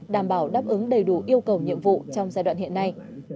đảm bảo đáp ứng đầy đủ yêu cầu nhiệm vụ trong giai đoạn hiện nay